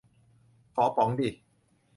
ขอป๋องดิ